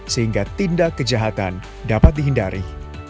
sehingga tindak kejahatan dapat dihindari